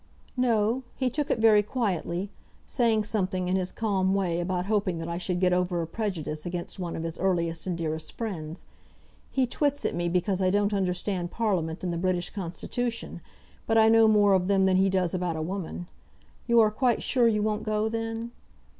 "No; he took it very quietly, saying something, in his calm way, about hoping that I should get over a prejudice against one of his earliest and dearest friends. He twits at me because I don't understand Parliament and the British Constitution, but I know more of them than he does about a woman. You are quite sure you won't go, then?"